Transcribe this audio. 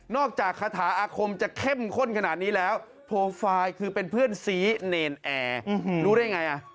จากคาถาอาคมจะเข้มข้นขนาดนี้แล้วโปรไฟล์คือเป็นเพื่อนซีเนรนแอร์รู้ได้ไง